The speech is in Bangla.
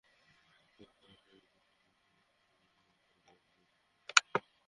কৌতূহল নিয়ে নানা প্রশ্ন করছিল, প্রকল্পের সামনে রাখা খাতায় মন্তব্য লিখছিল।